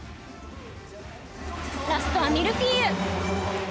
ラストはミルフィーユ。